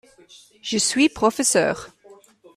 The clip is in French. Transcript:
Je suis professeur.